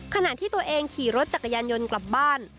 ขณะที่ตัวเองขี่รถจักรยานยนต์กลับบ้าน